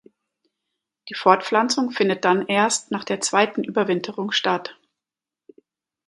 Die Fortpflanzung findet dann erst nach der zweiten Überwinterung statt.